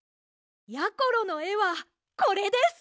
やころのえはこれです！